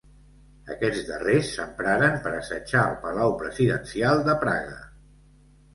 Aquests darrers s'empraren per assetjar el palau presidencial de Praga.